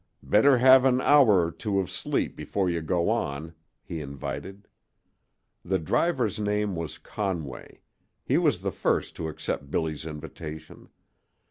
"Better have an hour or two of sleep before you go on," he invited. The driver's name was Conway. He was the first to accept Billy's invitation.